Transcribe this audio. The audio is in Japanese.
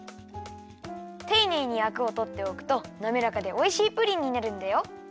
ていねいにアクをとっておくとなめらかでおいしいプリンになるんだよ。